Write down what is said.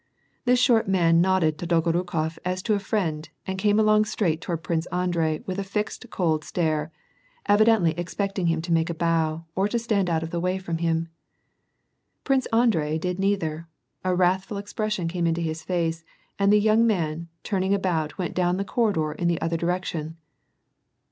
This short man nodded to Dolgorukof as to a friend, and came along straight toward Prince Andrei with a fixed cold staie^ evidently expecting him to make a bow, or to stand out of the way for him. Prince Andrei did neither ; a wrathful expression came into his face, and the young man, turning about went down the corridor in the other direction.